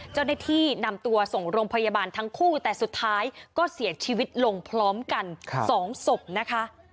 เจ้าหน้าที่นำตัวส่งโรงพยาบาลทั้งคู่แต่สุดท้ายก็เสียชีวิตลงพร้อมกัน๒ศพนะคะ